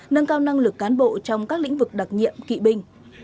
nâng cao năng lực cán bộ trong các lĩnh vực đặc nhiệm kỵ binh